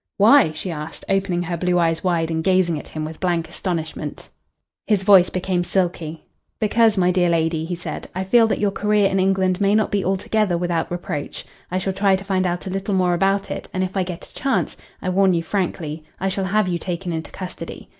"Why?" she asked, opening her blue eyes wide and gazing at him with blank astonishment. His voice became silky. "Because, my dear lady," he said, "I feel that your career in England may not be altogether without reproach. I shall try to find out a little more about it, and if I get a chance, I warn you frankly, I shall have you taken into custody.